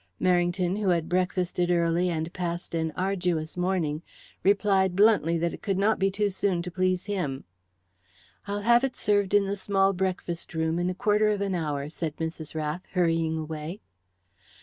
Merrington, who had breakfasted early and passed an arduous morning, replied bluntly that it could not be too soon to please him. "I'll have it served in the small breakfast room in a quarter of an hour," said Mrs. Rath, hurrying away.